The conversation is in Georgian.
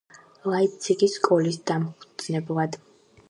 ლაიფციგის სკოლის დამფუძნებლად.